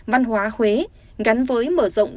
văn hóa huế gắn với mở rộng giai đoạn